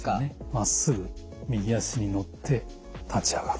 まっすぐ右足に乗って立ち上がる。